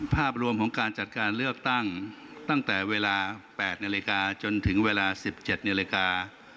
ภาพรวมของการจัดการเลือกตั้งตั้งแต่เวลา๘นาฬิกาจนถึงเวลา๑๗นาฬิกา